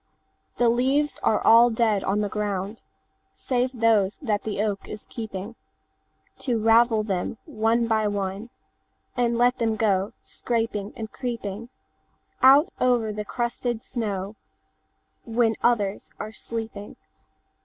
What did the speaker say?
The leaves are all dead on the ground, Save those that the oak is keepingTo ravel them one by oneAnd let them go scraping and creepingOut over the crusted snow, When others are sleeping.